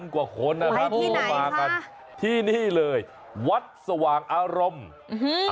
๓๐๐๐กว่าคนนะครับพูดมากันที่นี่เลยวัดสว่างอารมณ์